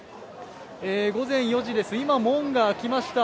午前４時です、今門が開きました。